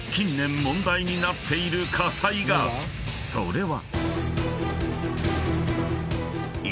［それは］